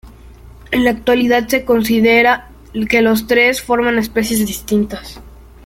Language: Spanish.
En la actualidad se considera que los tres forman especies distintas.